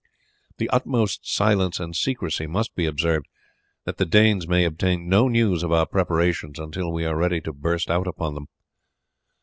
The utmost silence and secrecy must be observed, that the Danes may obtain no news of our preparations until we are ready to burst out upon them."